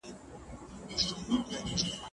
که انلاین تمرین دوام وکړي، مهارت نه کمزورې کېږي.